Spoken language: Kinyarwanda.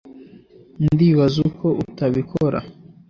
ndibaza uko atabikora